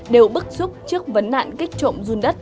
đều bức xúc trước vấn nạn kích trộm run đất